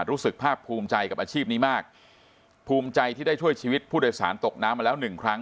รู้สึกภาพภูมิใจกับอาชีพนี้มากภูมิใจที่ได้ช่วยชีวิตผู้โดยสารตกน้ำมาแล้วหนึ่งครั้ง